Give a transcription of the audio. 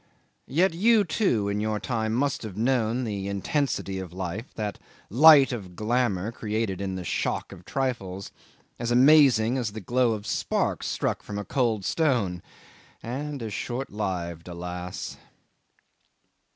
Yet you, too, in your time must have known the intensity of life, that light of glamour created in the shock of trifles, as amazing as the glow of sparks struck from a cold stone and as short lived, alas!